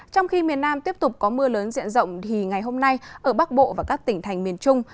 trong khi miền nam tiếp tục có mưa lớn diện rộng thì ngày hôm nay ở bắc bộ và các tỉnh thành miền trung